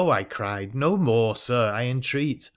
' I cried, ' no more, Sir, I entreat.